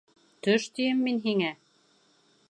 Төш, тием мин һиңә!